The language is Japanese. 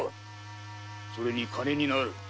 それに金になる。